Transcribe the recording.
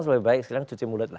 sebaik baik sekalian cuci mulut lah